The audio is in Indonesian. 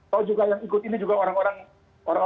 tahu juga yang ikut ini juga orang orang